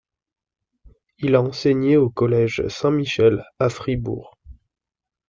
Il a enseigné au collège Saint-Michel, à Fribourg.